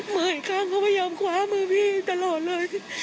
อีกข้างเขาพยายามคว้ามือพี่ตลอดเลย